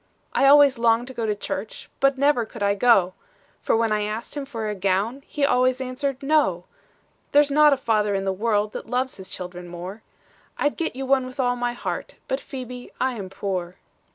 "'I always longed to go to church, But never could I go; For when I asked him for a gown, He always answered, "No. "'"There's not a father in the world That loves his children more; I'd get you one with all my heart, But, Phebe, I am poor."